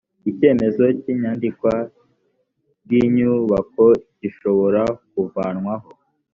icyemezo cy’iyandikwa ry’inyubako gishobora kuvanwaho